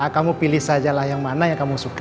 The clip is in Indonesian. kamu pilih sajalah yang mana yang kamu suka